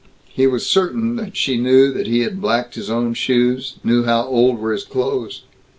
He was certain that she knew that he had blacked his own shoes, knew how old were his clothes.